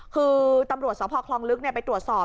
คือตำรวจสพคลองลึกไปตรวจสอบ